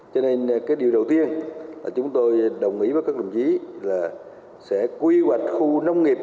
cho nên cái điều đầu tiên là chúng tôi đồng ý với các đồng chí là sẽ quy hoạch khu nông nghiệp